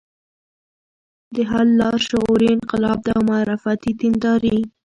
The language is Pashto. د حل لار: شعوري انقلاب او معرفتي دینداري